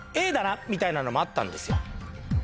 だなみたいなのもあったんですよ。